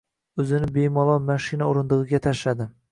O‘zini behol mashina o‘rindig‘iga tashladi.